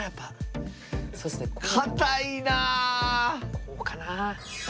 こうかな。